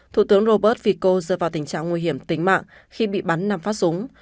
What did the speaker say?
thủ tướng robert fico dơ vào tình trạng nguy hiểm tính mạng khi bị bắn năm phát súng